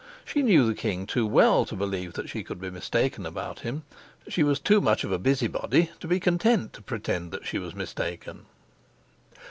She knew the king too well to believe that she could be mistaken about him; she was too much of a busybody to be content to pretend that she was mistaken.